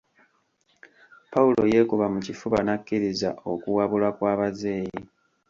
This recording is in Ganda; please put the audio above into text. Pawulo yeekuba mu kifuba n'akkiriza okuwabulwa kw'abazeeyi.